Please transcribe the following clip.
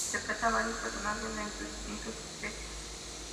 Interpreta a varios personajes en sus distintos "sketchs".